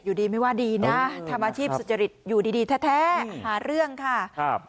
อยู่ดีไม่ว่าดีนะทำอาชีพสุจริตอยู่ดีดีแท้หาเรื่องค่ะครับ